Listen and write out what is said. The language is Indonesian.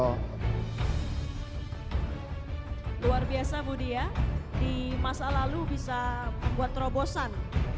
luar biasa budi ya di masa lalu bisa membuat terobosan